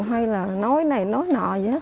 hay là nói này nói nọ gì hết